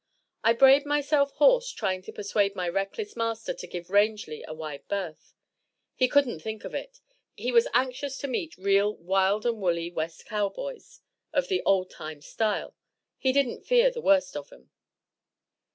I brayed myself hoarse trying to persuade my reckless master to give Rangely a wide berth. He couldn't think of it. He was anxious to meet real wild and woolly west cowboys of the old time style; he didn't fear the worst of 'em.